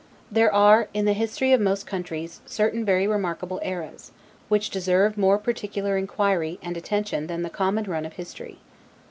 There are in the history of most countries, certain very remarkable eras, which deserve more particular inquiry and attention than the common run of history.